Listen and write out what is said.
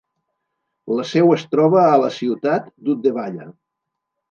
La seu es troba a la ciutat d'Uddevalla.